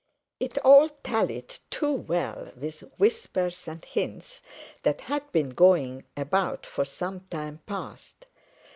It all tallied too well with whispers and hints that had been going about for some time past.